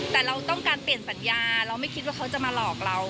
แต่เราต้องการเปลี่ยนสัญญาเราไม่คิดว่าเขาจะมาหลอกเรา